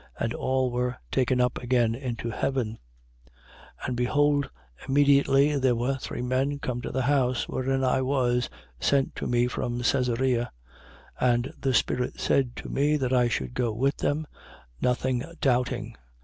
And all were taken up again into heaven. 11:11. And behold, immediately there were three men come to the house wherein I was, sent to me from Caesarea. 11:12. And the Spirit said to me that I should go with them, nothing doubting.